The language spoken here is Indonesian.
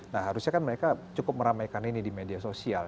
nah harusnya kan mereka cukup meramaikan ini di media sosial